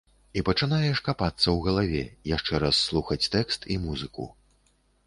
І пачынаеш капацца ў галаве, яшчэ раз слухаць тэкст і музыку.